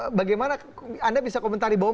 bagaimana anda bisa komentari bahwa